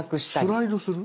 スライドする？